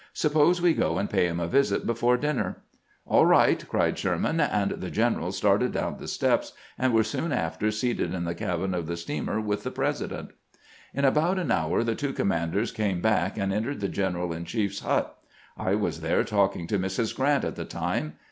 Suppose we go and pay him a visit before dinner." " All right," cried Sherman ; and the generals started 420 CAMPAIGNING WITH GRANT down tlie steps, and were soon after seated in the cabin of tlie steamer witli the President. In abont an hour the two commanders came back and entered the general in chief's hut. I was there talking to Mrs. Grrant at the time.